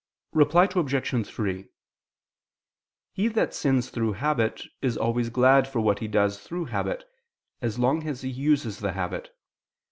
Reply Obj. 3: He that sins through habit is always glad for what he does through habit, as long as he uses the habit.